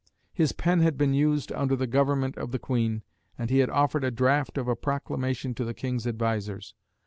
His pen had been used under the government of the Queen, and he had offered a draft of a proclamation to the King's advisers.